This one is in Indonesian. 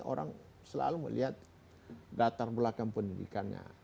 orang selalu melihat latar belakang pendidikannya